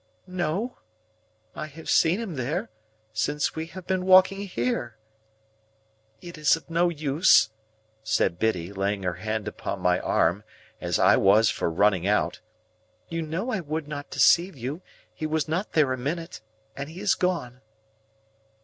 "No; I have seen him there, since we have been walking here.—It is of no use," said Biddy, laying her hand upon my arm, as I was for running out, "you know I would not deceive you; he was not there a minute, and he is gone."